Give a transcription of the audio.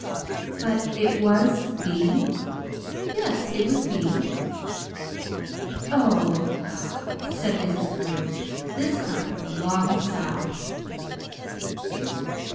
"But it was Bean?" "Yes, it was Bean." "Oh!" said Mrs. Carew, this time with a long sigh.